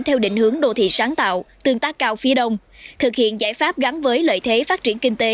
theo định hướng đô thị sáng tạo tương tác cao phía đông thực hiện giải pháp gắn với lợi thế phát triển kinh tế